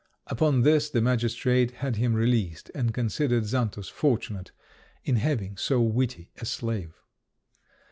Upon this the magistrate had him released, and considered Xantus fortunate in having so witty a slave.